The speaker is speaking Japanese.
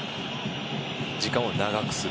時間を長くする。